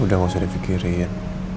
udah gak usah dipikirin